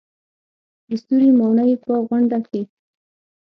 د ستوري ماڼۍ په غونډه کې.